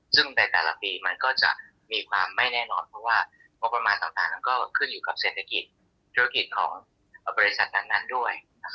ซึ่งในแต่ละปีมันก็จะมีความไม่แน่นอนเพราะว่างบประมาณต่างนั้นก็ขึ้นอยู่กับเศรษฐกิจธุรกิจของบริษัทนั้นด้วย